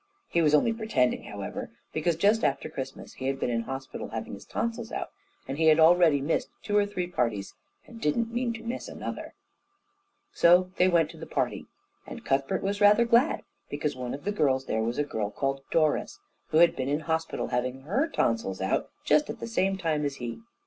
He was only pretending, however, because just after Christmas he had been in hospital having his tonsils out, and he had already missed two or three parties and didn't mean to miss another. So they went to the party, and Cuthbert was rather glad, because one of the girls there was a girl called Doris, who had been in hospital having her tonsils out just at the same time as he.